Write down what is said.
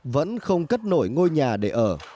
vẫn không cất nổi ngôi nhà để ở